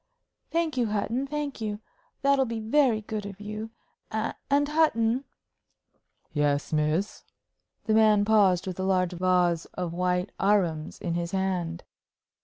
"Thank you, Hutton thank you. That'll be very good of you. And, Hutton " "Yes, miss." The man paused with a large vase of white arums in his hand.